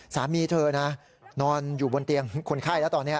สามีเธอนะนอนอยู่บนเตียงคนไข้แล้วตอนนี้